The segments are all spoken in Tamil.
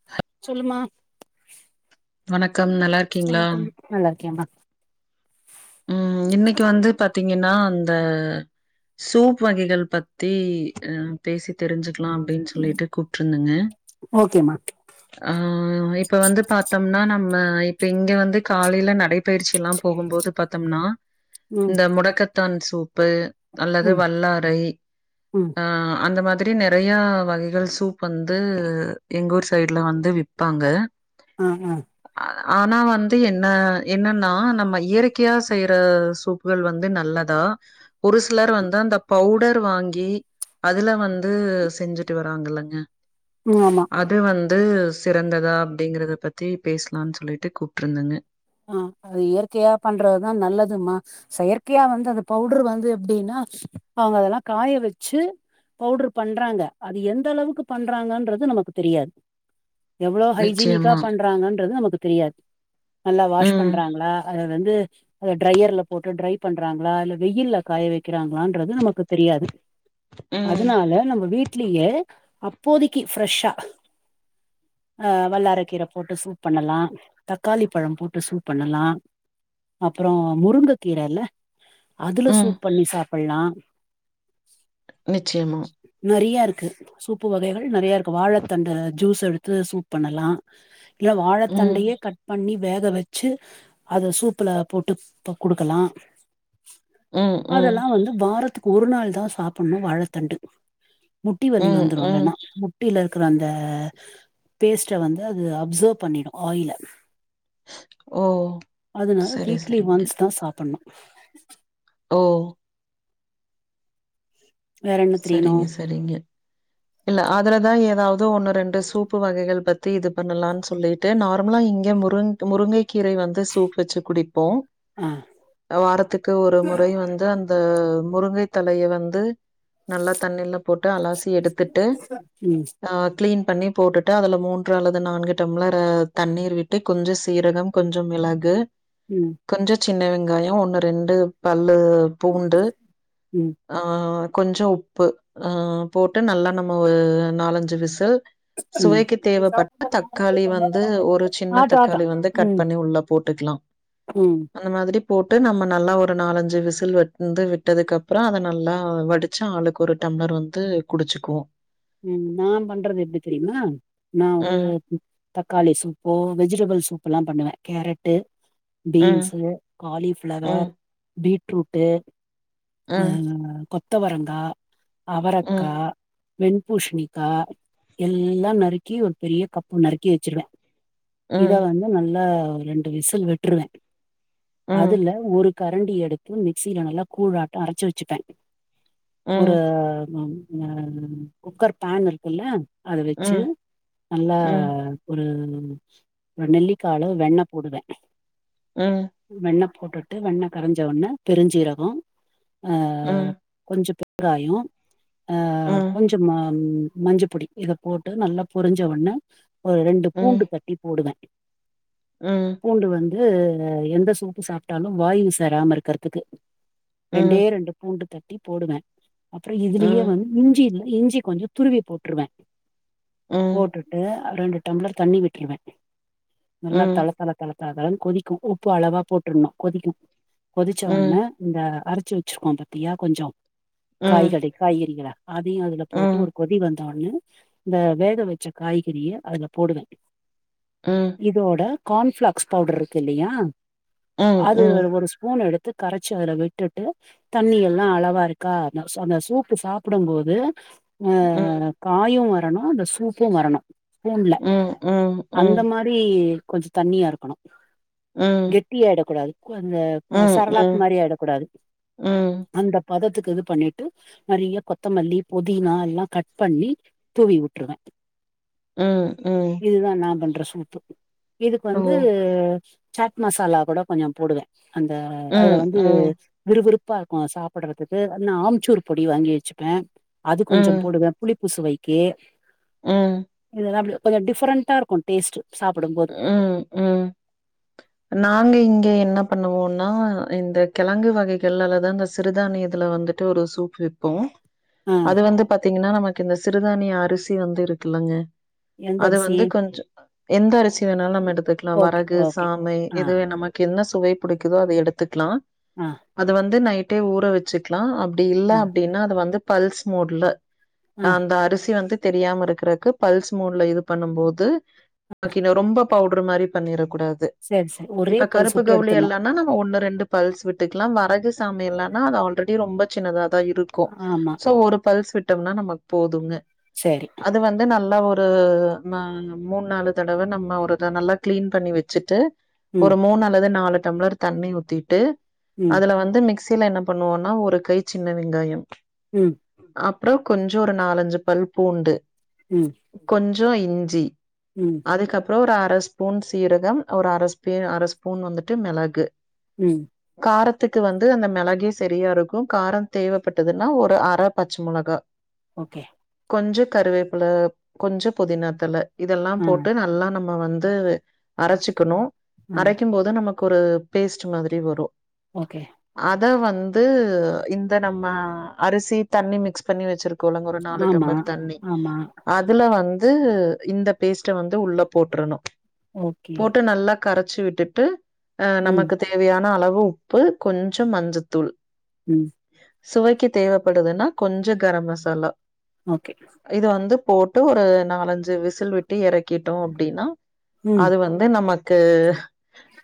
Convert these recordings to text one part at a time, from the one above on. [inaudible] சொல்லுமா வணக்கம் நல்லா இருக்கீங்களா? வணக்கம் நல்லாருக்கேம்மா ம் இன்னக்கு வந்து பாத்தீங்கன்னா அந்த சூப் வகைகள் பத்தி அ பேசி தெருஞ்சுக்கலா அப்டின் சொல்ட்டு கூப்ட்ருந்தங்க ஓகேம்மா ஆ இப்ப வந்து பாத்தோம்னா நம்ம இப்ப இங்க வந்து காலேல நடைபயிற்சில்லா போகும்போது பாத்தோம்னா ம் இந்த முடக்கத்தான் சூப்பு அல்லது ம் வல்லாறை ம் ஆ அந்த மாதி மாதிரி நெறையா வகைகள் சூப் வந்து எங்க ஊர் சைட்ல வந்து விப்பாங்க ஆ ஆ ஆனா வந்து என்ன என்னன்னா நம்ம இயற் கையா செய்ற சூப்கள் வந்து நல்லதா ஒரு சிலர் வந்து அந்த பவுடர் வாங்கி அதுல வந்து செஞ்சுட்டு வராங்கல்லங்க உ ஆமா அது வந்து சிறந்ததா அப்டீங்கறத பத்தி பேசலான்னு சொல்லிட்டு கூப்ட்ருந்தங்க ஆ அது இயற்கையா பண்றதுதா நல்லதுமா செயற்கையா வந்து அந்த பவுடரு வந்து எப்டீன்னா அவுங்க அதெல்லா காய வெச்சு பவுட்ரு பண்றாங்க அது எந்த அளவுக்கு பண்றாங்கன்றது நமக்கு தெரியாது எவ்வளோ நிச்சயமா ஹைஜீனிக்காக பண்ணுறாங்கன்றது நமக்கு தெரியாது நல்லா வாஷ் ம் பண்றாங்களா அத வந்து அத டிரையர்ல போட்டு ட்ரை ட்ரை பண்றாங்களா இல்ல வெயில்ல காய வெக்கிறாங்களான்றது நமக்கு தெரியாது ம் அதனால நம்ம வீட்லயே அப்போதிக்கு ஃப்ரெஷ்ஷா ஆ வல்லாரக்கீர போட்டு சூப் பண்ணலா தக்காளி ப்பழோ போட்டு சூ பண்ணலா அப்பறோ முருங்க கீர இல்ல அதுல ம் சூப் பண்ணி சாப்புட்லா நிச்சியமா நறீயா இருக்குது சூப்பு வகைகள் நறையா இருக்குது வாழைத்தண்டு ஜூஸ் எடுத்து சூப் பண்ணலா இல்ல ம் வாழைத்தண்டையே கட் பண்ணி வேக வெச்சு அத சூப்புல போட்டு குடுக்கலா ம் ம் அதலா வந்து வாரத்துக்கு ஒரு நாள் தா சாப்புட்ணோ வாழத்தண்டு முட்டி வலி ம் வந்துரோ ம் இல்லனா முட் முட்டில இருக்குற அந்த பேஸ்ட்ட வந்து அது அப்சர்வ் பண்ணிடோ ஆயில ஓ அதனால சரி வீக்லி சரிங்க ஒன்ஸ்தா சாப்புட்ணோ ஓ வேற என்ன தெரீணோ நீங்க இல்ல அதுலதா எதாவது ஒன்னு ரெண்டு சூப்பு வகைகள் பத்தி இது பண்ணலானு சொல்லிட்டு நார்மலா இங்க முருங் முருங்கை கீரை வந்து சூப் வெச்சு குடிப்போ ஹ வாரத்துக்கு ஒரு முறை வந்து அந்த முருங்கை தழைய வந்து நல்லா தண்ணீல போட்டு அலாசி எடுத்துட்டு ம் நா கிளீன் பண்ணி போட்டுட்டு அதில் மூன்று அல்லது நான்கு டம்ளர் தண்ணீர் விட்டு கொஞ்சோ சீரகம் கொஞ்சம் மிளகு ம் கொஞ்ச சின்ன வெங்காயம் ஒண்ணு ரெண்டு பல்லு பூண்டு ம் ஆ கொஞ்சம் உப்பு ஆ போட்டு நல்லா நம்ம நாலஞ்சு விசில் ம் சுவைக்கு தேவைப்பட்டா தக்காளி வந்து ஒரு சின்ன ஆட்டம் ஆட்டம் தக்காளி வந்து கட் ம் பண்ணி உள்ள போட்டுக்கலா ம் அந்த மாதிரி போட்டு நம்ம நல்லா ஒரு நாலஞ்சு விசில் வந்து விட்டதுக்கப்புறோ அத நல்லா வடிச்ச ஆளுக் கொரு டம்ளர் வந்து குடிச்சுக்குவோ உம் நா பண்றது எப்டி தெரியுமா நானு ம் தக்காளி சூப்போ வெஜிடபிள் சூப்புலா பண்ணுவே கேரட்டு ம் பீன்ஸு ம் காலிஃப்ளவர் பீட்ரூட்டு அ ம் கொத்தவரங்கா அவரக்கா ம் வெண்பூஷணிக்கா எல்லா நறுக்கி ஒரு பெரிய கப்பு நறுக்கி வெச்சிருவே இத ம் வந்து நல்லா ரெண்டு விசில் விட்ருவே ம் அதுல ஒரு கரண்டி எடுத்து மிக்சில நல்லா கூழ்ட்டோ அரச்சு வெச்சுப்பே கூட ம் குக்கர் பேன் இருக்குல்ல அத வச்சு ம் நல்லா ம் ஒரு நெல்லிக்கா அளவு வெண்ண போடுவ உம் வெண்ண போட்டுட்டு வெண்ண கரஞ்ச உடனே பெருஞ்சீரகம் அ ம் கொஞ்சம் பெருங்காயம் அ ம் கொஞ்சம் ம் மஞ்சப்பொடி இத போட்டு நல்லா பொரிஞ்ச உண்ணே ஒரு ரெண்டு பூண்டு தட்டி போடுவ உம் பூண்டு வந்து எந்த சூப்பு சாப்ட்டாலும் வாயு சேராம இருக்கிறதுக்கு ரெண்டே ம் ரெண்டு பூண்டு தட்டி போடுவ அப்புறம் இதுலயே ம் வந்து இஞ்சில இஞ்சி கொஞ்சம் துருவி போட்டுருவ ம் போட்டு டு ரெண்டு டம்ளர் தண்ணி விட்ருவே நல்லா ம் தல தல தள தளன்னு கொதிக்கும் உப்பு அளவா போட்டுரணும் கொதிக்கும் கொதிச்ச ம் உன்னே இந்த அ அரச்சி வச்சிருக்கோம் பாத்தியா கொஞ்சம் ம் காய்கறி காய்கறிகள அதையும் அதுல போட்டு ம் ஒரு கொதி வந் வந்தடனே இந்த வேக வச்ச காய்கறிய அதுல போடுவே அ இதோட கார்ன்பிளாக்ஸ் பவுடர் இருக்கு இல்லையா அது ஒரு ஸ்பூன் எடுத் து கரச்சி அதுல விட்டு ட்டு தண்ணி எல்லா அளவா இருக்கா அந்த சூப்பு சாப்பிடும்போது அ காயும் வரணும் அந்த சூப்பும் வரணும் ஸ்பூன்ல அந்த மா ரி கொஞ்ச தண்ணியா இருக்கணும் உம் கெட்டி ஆயிட கூடாது அந்த உம் உம் சரலாக் மாரி ஆயிடக்கூடாது உம் அந்த பதத்துக்கு இது பண்ணிட்டு நெறைய கொத்தமல்லி புதினா எல்லாம் கட் பண்ணி தூவி விட்ருவேன் உம் உம் இதுதான் நா பண்ற சூப்பு இதுக்கு ஓ! வந்து சாட் மசாலா கூட கொஞ்சம் போடுவ அந்த அதுல ம், வந்து ம், விறுவிறுப்பா இருக்கும் சாப்புட்றதுக்கு அ ஆம்ச்சூர் பொடி வாங்கி வச்சுப்பேன் அது கொஞ்சம் ம், போடுவ புளிப்பு சுவைக்கு ம் இதாப்லு கொஞ்சம் டிஃப்ரெண்டா இருக்கும் டேஸ்ட்டு சாப்பிடும் போது ம், ம். நாங்க இங்க என்ன பண்ணுவோனா இந்த கிழங்கு வகைகள் அல்லது அந்த சிறுதானியத்துல வந்து ட்டு ஒரு சூப் வைப்போம் ஆ அது வந்து பாத்தீங்கன்னா நமக்கு இந்த சிறுதானிய அரிசி வந்து இருக்குல்லங்க எந்த அது அரிசி வந்து கொஞ்சம் எந்த அரிசி வேணாலும் நம்ம எடுத்துக்கலாம் ஓகே வரகு ஓகே சாமை ஆ எது நமக்கு என்ன சுவை புடிக்குதோ அத எடுத்துக்கலாம் அ அத வந்து நைட்டே ஊற வச்சுக்லாம் அப்டி இல்ல ஆ அப்டின்னா அத வந்து பல்ஸ் மோட்ல ஆ அந்த அரிசி வந்து தெரியாம இருக்கறக்கு பல்ஸ் மூட்ல இது பண்ணும் போது ஆக்கி ரொம்ப பவுடர் மாரி பண்ணிறக் கூடாது செரி செரி இப்ப கருப்பு கவுளி இல்லனா நம்ம ஒண்ணு ரெண்டு பல்ஸ் விட்டுக்கலாம் வரகு சாம இல்லன்னா அது ஆல்ரெடி ரொம்ப சின்னதாதான் இருக்கும் ஆமா சோ ஒரு பல்ஸ் விட்டம்னா நமக்கு போதுங்க சரி அது வந்து நல்லா ஒரு ம மூண் நாலு தடவ நம்ம ஒரு இதா நல்லா க்ளீன் பண்ணி வச்சுட்டு ம் ஒரு மூணு அல்லது நாலு டம்ளர் தண்ணி ஊத்திட்டு ம் அதுல வந்து மிக்ஸ் சீல என்ன பண்ணுவோன்னா ஒரு கை சின்ன வெங்காயம் ம் அப்றோ கொஞ்சோ ஒரு நாலஞ்சு பல் பூண்டு ம் கொஞ்சோ இஞ்சி ம் அதுக்கப்றோ ஒரு அர ஸ்பூன் சீரகம் ஒரு அர ஸ்பே அர ஸ்பூன் வந்துட்டு மெளகு ம் காரத்துக்கு வந்து அந்த மெளகே சரியா இருக்கும் காரோ தேவப்பட்டதுன்னா ஒரு அர பச்ச மொளகா ஓகே கொஞ்ச கருவேப்புல கொஞ்ச புதினாத்தல இதெல்லா ஆ போட்டு நல்லா நம்ம வந்து அரச்சுக்கணு ஆ அரைக்கும் போது நமக்கு ஒரு பேஸ்ட்டு மாதிரி வரு ஓகே அத வந்து இந்த நம்ம அரிசி தண்ணி மிக்ஸ் பண்ணி வச்சுருக்கோன்லங்க ஒரு நாலு ஆமா டம்ளர் தண்ணி ஆமா அதுல வந்து இந்த பேஸ்ட்ட வந்து உள்ள போட்ரணு ஓகே போட்டு நல்லா கரச்சு விட்டுட்டு அ ம் நமக்குத் தேவையான அளவு உப்பு கொஞ்ச மஞ்சத்தூள் ம் சுவைக்கி தேவப்படுதுன்னா கொஞ்ச கரம் மசாலா ஓகே இது வந்து போட்டு ஒரு நாலஞ்சு விசில் விட்டு எறக்கிட்டோ அப்டின்னா ம் அது வந் த்து நமக்கு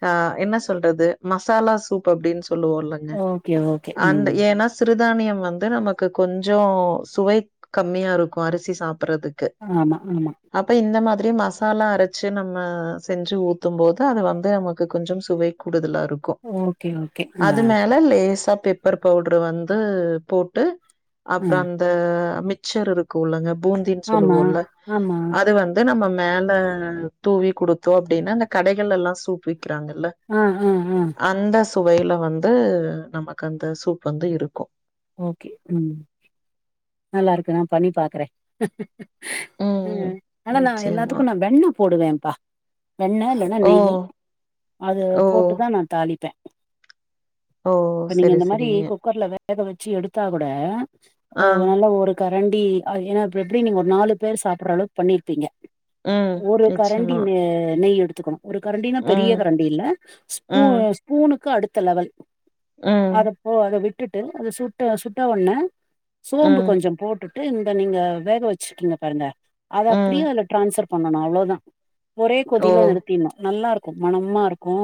அ என்ன சொல்றது மசாலா சூப் அப்டின் சொல்லுவோல்ல ஓகே ஓகே அந்த ம் ஏனா சிறுதானியம் வந்து நமக்கு கொஞ்சோ சுவை கம்மியா இருக்கு அரிசி சாப்புறதுக் ஆமா ஆமா அப்ப இந்த மாதிரி மசாலா அரச்சி நம்ம செஞ்சு ஊத் தும் போது அது வந்து நமக்கு கொஞ்சம் சுவை கூடுதலாருக் ஓகே ஓகே அ கில லேசா பெப்பர் பவுட்ரு வந்து போட்டு ஆ அப்றோ அந் த மிச்சர் இருக்குல்லங்க பூந்தின் ஆமா சொல்லுவோல்ல ஆமா அது வந் து நம்ம மேல தூவி குடுத்தோ அப்டின்னா அந்த கடைகளெல்லா சூப் விக்கிறாங்கல்ல ஆ ஆ ஆ அந்த சுவையில வந்து நமக் அந்த சூப் வந்து இருக்கு ஓகே ம் நல்லாருக்கு நா பண்ணி பாக்குறே ம் ஆனா நா நிச்சயமா. எல்லாத்துக்கு நா வெண்ண போடுவேம்ப்பா வெண்ண இல்லன்னா ஓ! நெய்யி அத ஓ போட்டுதா நா தாளிப்பே ஓ இப்ப நீங்க சரி இந்த மாரி சரிங்க குக்கர்ல வேக வச்சு எடுத்தா கூட ஆ அ வ நல்ல ஒரு கரண்டி ஏன்னா இப்ப எப்டி நீங்க ஒரு நாலு பேர் சாப்புட்ற அளவுக்கு பண்ணியிருப்பீங்க ம் ஒரு கரண்டி நிச்சயமா ந நெய் எடுத்துக்கணு ஒரு கரண்டினா பெரிய ம் கரண்டி இல்ல ஸ்பூ ம் ஸ்பூனுக்கு அடுத்த லெவல் ம் அத போ அத விட்டுட்டு அது சுட்ட சுட்ட ஒட்னே சோம்பு ம் கொஞ்சம் போட்டுட்டு இந்த நீங்க வேக வெச்சிர்க்கீங்க பாருங்க அத ம் அப்பிடியே அதுல ட்ரான்ஸ்ஸர் பண்ணனு அவ்ளோதா ஒரே ஓ கொதில நிறுத்தீர்னு நல்லாருக்கு மணமாருக்கு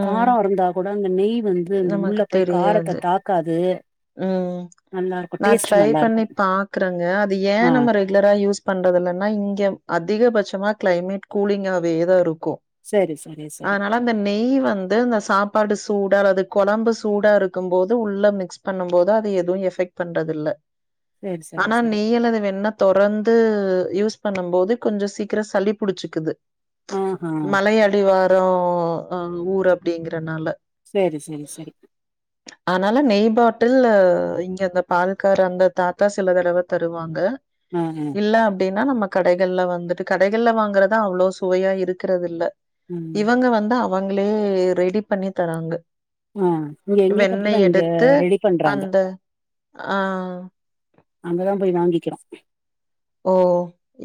ம் காரோ இருந்தா கூட அந்த நெய் வந்து அந்த உள்ள நமக்கு போய் காரத்த தெரியாது தாக்காது ம் நல்லா இருக்கு நா டேஸ்ட் ட்ரை நல்லா பண்ணி இருக்கு பாக்றங்க அது ஏ ஆ நம்ம ரெகுலரா யூஸ் பண்றதில்லன்னா இங்க அதிகபட்சமா க்ளைமேட் கூலிங்காவேதாருக்கு செரி செரி செரி இந்த நெய் வந்து இந்த சாப்பாடு சூடா அல்லது கொழம்பு சூடாருக்கும்போது உள்ள மிக்ஸ் பண்ணம்போது அது எதுவு எஃபெக்ட் பண்றதில்ல சரி சரி ஆனா சரி நெய் அல்லது வெண்ண தொறந்து யூஸ் பண்ணம்போது கொஞ்ச சீக்கிரோ சளி புடிச்சிக்கிது ஆஹா மலையடிவாரோ அ ஊர் அப்டிங்கிறனால சேரி செரி செரி அத்னால நெய் பாட் டிலு இங்க அந்த பால்கார் அந்த தாத்தா சில தடவ தருவாங்க ம் ம் இல்ல அப்டின்னா நம்ம கடைகள்ல வந்துட்டு கடைகள்ல வாங்கறதா அவ்ளோ சுவையா இருக்கிறதில்ல ம் இவங்க வந்து அவங்ளே ரெடி பண்ணி தராங்க ஆ இங்க எங்களுக் அப்டிதா வெண்ணெய் இங்க எடுத்து ரெடி பண்றாங்க அந்த ஆ அங்கதா போய் வாங்கிக்கிறோ ஓ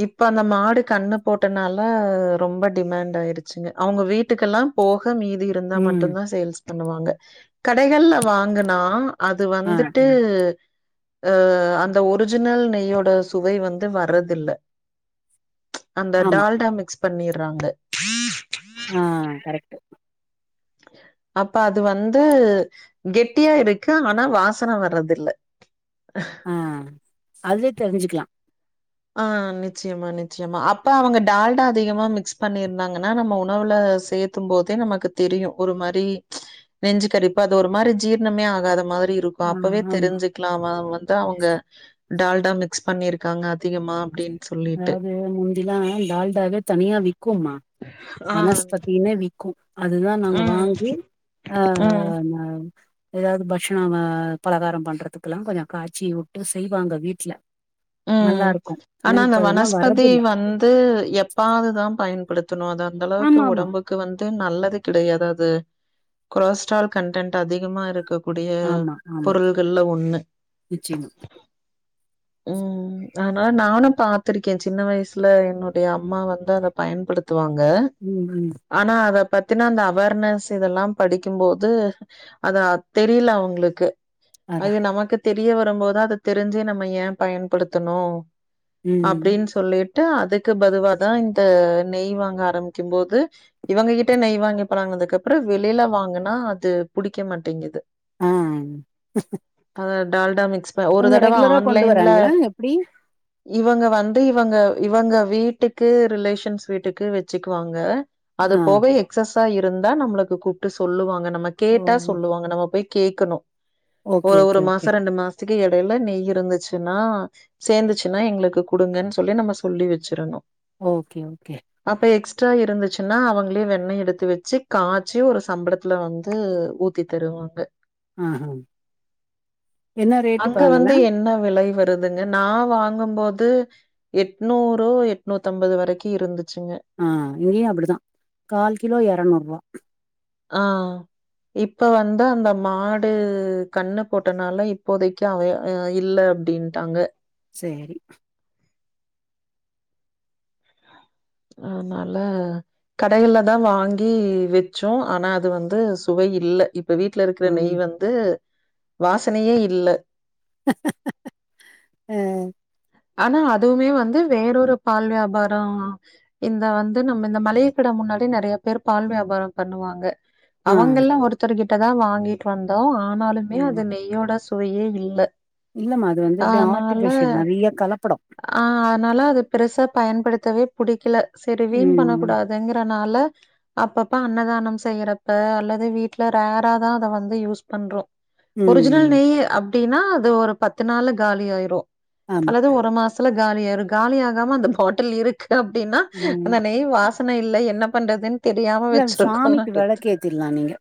இப்ப அந்த மாடு கண்ணு போட்டனால ரொம்ப டிமேண்ட் ஆய்ருச்சுங்க அவங்க வீட்டுக்கெல்லா போக மீதி இருந்தா ம் மட்டுந்தா சேல்ஸ் பண்ணுவாங்க கடைகள்ல வாங்குனா அது ஆ வந்துட்டு ஆ அ அந்த ஒருஜினல் நெய்யோட சுவை வந் து வரதில்ல அந்த ஆமா டால்டா மிக்ஸ் பண்ணீர்றாங்க ஆ கரெக்ட்டு அப்ப அது வந்து கெட்டியா இருக்கு ஆனா வாசன வரதில்ல அஹ ஆ அதுலே தெரிஞ்சிக்கலா ஆ நிச்சயமா நிச்சயமா அப்ப அவங்க டால்டா அதிகமா மிக்ஸ் பண்ணீர்ந்தாங்கன்னா நம்ம உணவுல சேத் தும் போதே நமக்கு தெரியு ஒரு மாரி நெஞ்சு கரிப்பு அது ஒரு மாரி ஜீர்ணமே ஆகாத மாதிரி இருக் கு ஆ அப்பவே ஆமா தெரிஞ்சிக்கலா வா வந்து அவங்க டால்டா மிக்ஸ் பண்ணீர்க்காங்க அதிகமா அப்டின் அதாவ்து முந்திலா டால்டாவே தனியா விக்கும்மா ஆ, வனஸ்பதின்னே வி க்கு அதுதா நாங்க ம், வாங்கி ஆ ம், ந எதாவ்து பக்ஷணங்க பலகாரம் பண்றத்துக்குல்லா கொஞ்சோ காச்சி உட்டு செய்வாங்க வீட்ல ம். நல்லார்க்கு ஆனா அந்த வனஸ்பதி வந்து எப்பாதுதா பயன்படுத்தணு அது அந்தளவுக்கு ஆமா ஆமா ஒடம்பு க்கு வந்து நல்லது கிடையாது அது கொலஸ்ட்ரால் கண்டன்ட் அதிகமா இருக் கக்கூடிய ஆமா ஆமா பொருள்கள்ல ஒன்னு நிச்சயமா ஆனா நானு பாத்திருக்கே சின்ன வய்சுல என்னுடைய அம்மா வந்து அத பயன்படுத்துவாங்க ம் ம் ஆனா அத பத்தினா அந்த அவேர்னஸ் இதெல்லா படிக்கும்போது அதா தெரில அவுங்களுக்கு அதா அது நமக்கு தெரிய வரும்போது அத தெரிஞ்சு நம்ம ஏன் பயன்படுத்தணோ ம் அப்டின்னு சொல்லிட்டு அதுக்கு பதுவாதான் இந்த நெய் வாங்க ஆரம்பிக்கும்போது இவங்க கிட்ட நெய் வாங்கி பழங்குனதுக்கு அப்புறோம் வெளியில வாங்கனா அது புடிக்க மாட்டேங்குது ஆ அதான் டால்டா மிக்ஸ் ப ஒரு தடவ ஆன்லைன் ஆ எப்டி இவங்க வந்து இவங்க இவங்க வீட்டுக்கு ரிலேஷன்ஸ் வீட்டுக்கு வெச்சுக்குவாங்க ஆ அது போக எக்ஸஸா இருந்தா நம்மளுக்கு கூப்ட்டு சொல்லுவாங்க நம்ம நம்ப ஓ கேட்டா சொல்லுவாங்க நம்ம போய் கேக்கணும் ஓகே ஒரு ஒரு ஓகே ஓகே மாசம் ரெண்டு மாசம் க்கு இடையில நெய் இருந்துச்சு னா சேர்ந்துச்சுன்னா எங்களுக்கு குடுங்கன்னு சொல்லி நம்ம சொல்லி வெச்சிரனும் ஓகே ஓகே அப்ப எக்ஸ்ட்ரா இருந்துச்சுன்னா அவங்களே வெண்ணெய் எடுத்து வச்சு காய்ச்சி ஒரு சம்பளத்துல வந்து ஊத் ஊத்தி தருவாங்க அ அ என்ன ரேட்டு பா அங்களான் வெலை வருதுங்க நா வாங்கும்போது எட்நூறோ எட்நூத்தம்பது வரைக்கி இருந்துச்சுங்க ஆ இங்கேயும் அப்டிதான் கால் கிலோ எரநூறு ரூபா ஆ இப்ப வந்து அந்த மாடு கண்ணு போட்டனால இப்போதைக்கு அவ அவன் இல்ல டின்டாங்க செரி ஆமால கடையல தான் வாங்கி வெச்சோம் ஆனா அது வந்து சுவை இல்ல இப் இப்ப வீட்ல இருக்ற நெய் ம் வந்து வாசனையே இல்ல அ ஆனா அதுவுமே வந்து வேறொரு பால் வியாபாரோம் இந்த வந்து நம்ம இந்த மலிக கட முன்னாடி நறைய பேர் பால் வியாபாரோம் பண்ணுவாங்க ஆ அவங்கெல்லா ஒருத்தர்கிட்ட தான் வாங்கிட் வந்தோ ஆனாலுமே அது நெய்யோட சு சுவையே இல்ல இல்ல மா அது வந்து அப்டியே அதனால ஆர்டிஃபிஷியல் நறைய கலப்படோம் ஆ ஆதனால அது பெருசா பயன்படுத்தவே புடிக்கல செரி வீண் பண்ண ம் கூடாத் துங்குறனால அப்பப்ப அன்னதானம் செய்யிறப்ப அல்லது வீட்ல ரேர்ரா தான் அத வந்து யூஸ் பண்றோம் ஒரிஜினல் ம் நெய் அப்டினா அது ஒரு பத்து நாள்ல காலி ஆயிரும் ஆமா அல்லது ஒர் ஒரு மாஸ்ல காலி ஆய்ரும் காலி ஆகாம அந்த பாட்டில் இருக்கு அப்டினா ஆ அந்த நெய் வாஸ் வாசன இல்ல என்ன பண்றதுன் தெரியாம வச்சிருக்கோன்ட் டுத் தில்லா நீங்க